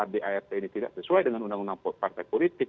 dart ini tidak sesuai dengan undang undang partai politik